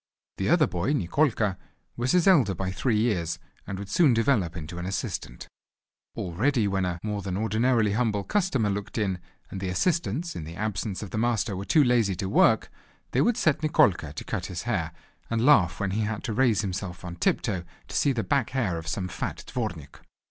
The other boy Nikolka was his elder by three years, and would soon develop into an assistant. Already when a more than ordinarily humble customer looked in, and the assistants in the absence of the master were too lazy to work, they would set Nikolka to cut his hair, and laugh when he had to raise himself on tiptoe to see the back hair of some fat _dvornik.